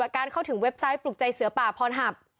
การเข้าถึงเว็บไซต์ปลุกใจเสือป่าพรหับ